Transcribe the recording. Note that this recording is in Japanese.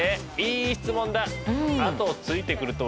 いい質問だ。